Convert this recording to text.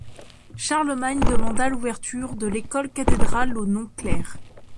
Charlemagne demanda l’ouverture de l’école cathédrale aux non-clercs.